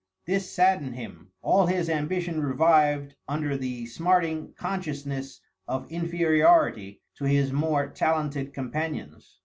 This saddened him; all his ambition revived under the smarting consciousness of inferiority to his more talented companions.